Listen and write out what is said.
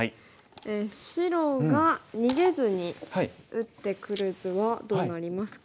白が逃げずに打ってくる図はどうなりますか？